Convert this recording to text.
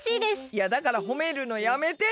いやだからほめるのやめて！